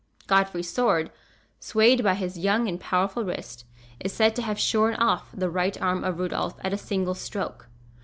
Godfrey's sword, swayed by his young and powerful wrist, is said to have shorn off the right arm of Rudolph at a single stroke.